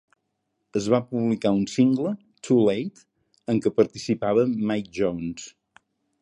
Es va publicar un single, "Too late", en què participava Mick Jones.